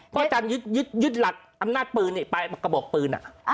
พ่ออาจารย์ยึดหลักอำนาจพื้นไปกระบอกปืนอะ